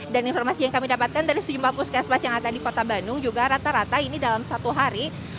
informasi yang kami dapatkan dari sejumlah puskesmas yang ada di kota bandung juga rata rata ini dalam satu hari